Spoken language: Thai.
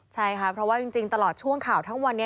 ใช่ค่ะเพราะว่าจริงตลอดช่วงข่าวทั้งวันนี้